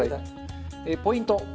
ポイント。